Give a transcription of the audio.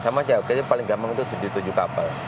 sama saja paling gampang itu tujuh tujuh kapal